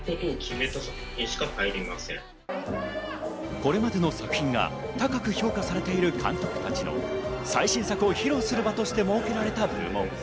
これまでの作品が高く評価されている監督たちの最新作を披露する場として設けられた部門。